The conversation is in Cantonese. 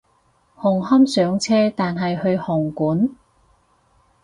紅磡上車但係去紅館？